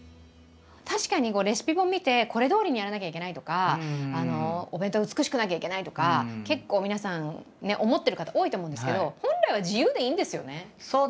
確かにレシピ本見てこれどおりにやらなきゃいけないとかお弁当は美しくなきゃいけないとか結構皆さん思ってる方多いと思うんですけどそうですね。